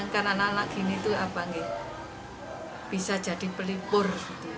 karena anak anak gini tuh apa nih bisa jadi pelipur